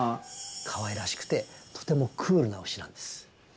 かわいらしくてとてもクールなうしなんです。